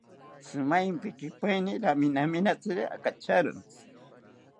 Shimaempikipaeni raminaminatziri akacharontzi